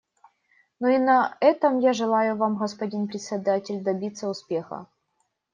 Ну и на этом я желаю вам, господин Председатель, добиться успеха.